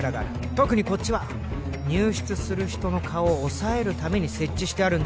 特にこっちは入室する人の顔をおさえるために設置してあるんで